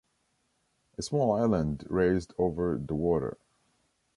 A small island raised over the water.